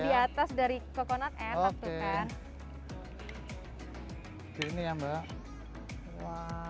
di atas dari coconut enak tuh kan gini ya mbak wah